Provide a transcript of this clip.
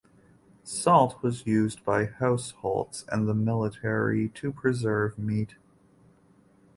Salt was used by households and the military to preserve meat.